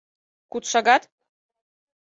— Куд шагат?